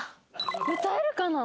歌えるかな？